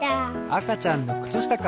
あかちゃんのくつしたか。